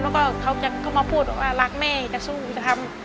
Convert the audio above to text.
แล้วก็เขาจะเข้ามาพูดบอกว่ารักแม่จะสู้จะทำ